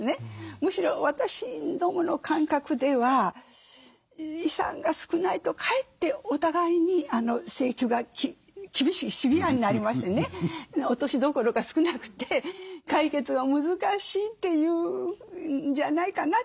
むしろ私どもの感覚では遺産が少ないとかえってお互いに請求が厳しいシビアになりましてね落としどころが少なくて解決が難しいというんじゃないかなという感じはありますよ。